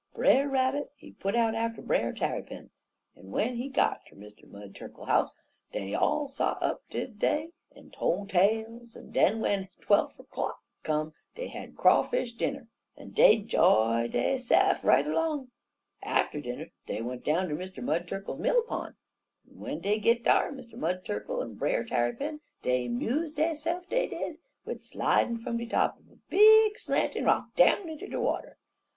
Brer Rabbit he put out atter Brer Tarrypin, en w'en he got ter Mr. Mud Turkle house, dey all sot up, dey did, en tole tales, en den w'en twelf er' clock come dey had crawfish fer dinner, en dey 'joy deyse'f right erlong. Atter dinner dey went down ter Mr. Mud Turkle mill pon,' en w'en dey git dar Mr. Mud Turkle en Brer Tarrypin dey 'muse deyse'f, dey did, wid slidin' fum de top uv a big slantin' rock down inter de water.